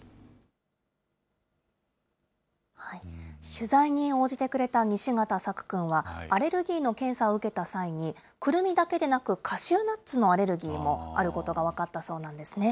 取材に応じてくれた西形朔君は、アレルギーの検査を受けた際に、くるみだけでなく、カシューナッツのアレルギーもあることが分かったそうなんですね。